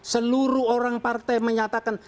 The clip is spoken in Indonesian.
seluruh orang partai menyatakan